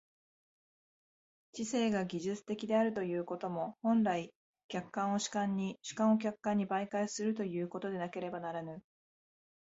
知性が技術的であるということも、本来、客観を主観に、主観を客観に媒介するということでなければならぬ。